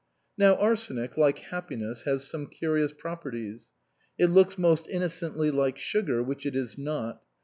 Now arsenic (like happiness) has some curious properties. It looks most innocently like sugar, which it is not.